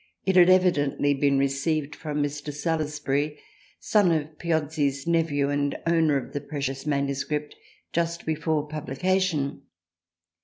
It had 2 THRALIANA evidently been received from Mr. Salusbury son of Piozzi's nephew and owner of the precious MS. just before pubHcation.